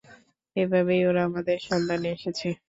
এভাবেই ওরা আমাদের সন্ধানে এসেছে।